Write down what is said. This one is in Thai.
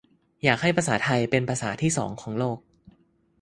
"อยากให้ภาษาไทยเป็นภาษาที่สองของโลก"